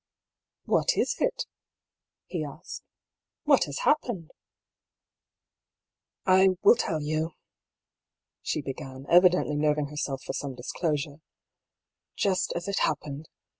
« What— is it ?" he asked. " What has happened ?"" I — will tell you," she began, evidently nerving her self for some disclosure, "just as it happened.